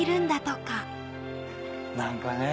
何かね